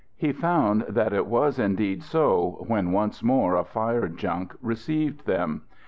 He found that it was indeed so when once more a fire junk received them.